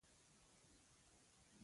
پسه د قربانۍ لپاره کارېږي.